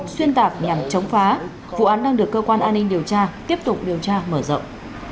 xuyên tạc nhằm chống phá vụ án đang được cơ quan an ninh điều tra tiếp tục điều tra mở rộng